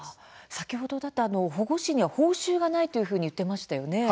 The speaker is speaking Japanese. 先ほども出た保護司には報酬がないと言っていましたね。